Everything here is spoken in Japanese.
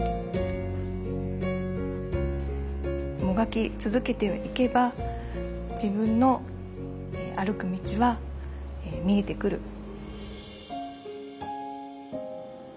もがき続けていけば自分の歩く道は見えてくる。